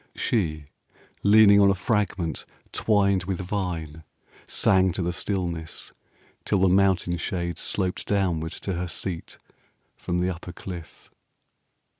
She, leaning on a fragment twined with vine, Sang to the stillness, till the mountain shade 20 Sloped downward to her seat from the upper cliff.